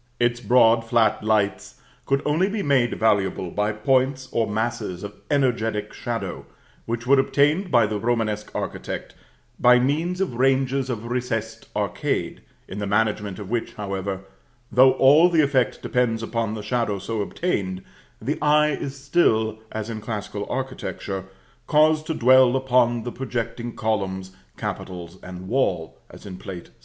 Its broad flat lights could only be made valuable by points or masses of energetic shadow, which were obtained by the Romanesque architect by means of ranges of recessed arcade, in the management of which, however, though all the effect depends upon the shadow so obtained, the eye is still, as in classical architecture, caused to dwell upon the projecting columns, capitals, and wall, as in Plate VI.